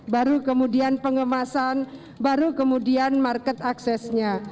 baru kemudian pengemasan baru kemudian market aksesnya